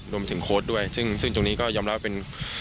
โค้ดด้วยซึ่งตรงนี้ก็ยอมรับเป็น